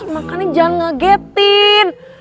makanya jangan ngegetin